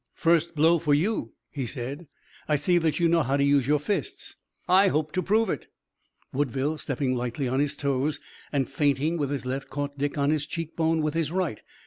"First blow for you," he said. "I see that you know how to use your fists." "I hope to prove it." Woodville, stepping lightly on his toes and feinting with his left, caught Dick on his cheek bone with his right.